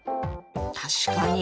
確かに。